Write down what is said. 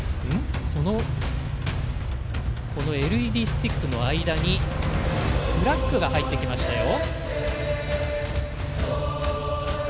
ＬＥＤスティックの間にフラッグが入ってきましたよ。